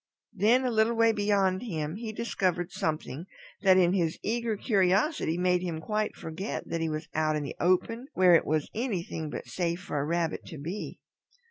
Then a little way beyond him he discovered something that in his eager curiosity made him quite forget that he was out in the open where it was anything but safe for a Rabbit to be.